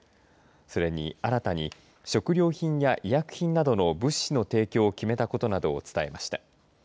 それに新たに食料品や医薬品などの物資の提供を決めたことなどを伝えました。